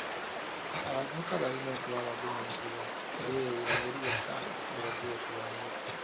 Abavubuka balina okuba abagumiikiriza era eyo y'engeri yokka gye bajja okuwangula.